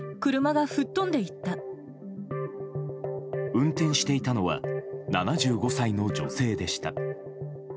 運転していたのは７５歳の女性でした。